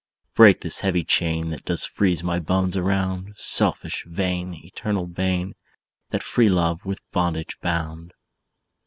"Break this heavy chain, That does freeze my bones around! Selfish, vain, Eternal bane, That free love with bondage bound."